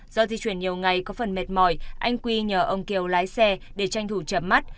do di chuyển nhiều ngày có phần mệt mỏi anh quy nhờ ông kiều lái xe để tranh thủ chậm mắt